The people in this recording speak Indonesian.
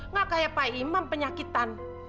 nggak kayak pak imam penyakitan